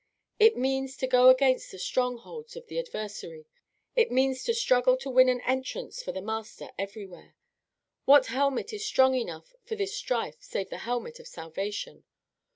It means to go against the strongholds of the adversary. It means to struggle to win an entrance for the Master everywhere. What helmet is strong enough for this strife save the helmet of salvation?